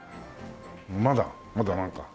まだまだなんか？